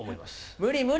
無理、無理。